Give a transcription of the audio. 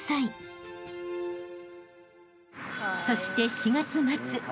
［そして４月末］